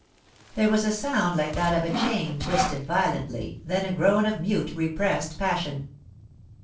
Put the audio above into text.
There was a sound like that of a chain twisted violently; then a groan of mute, repressed passion.